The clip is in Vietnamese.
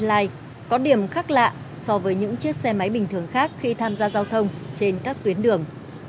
từ grab goviet và beeline có điểm khác lạ so với những chiếc xe máy bình thường khác khi tham gia giao thông trên các tuyến đường